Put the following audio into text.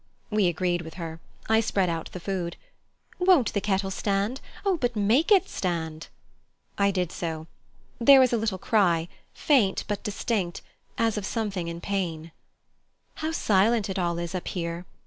We agreed with her. I spread out the food. "Won't the kettle stand? Oh, but make it stand." I did so. There was a little cry, faint but distinct, as of something in pain. "How silent it all is up here!"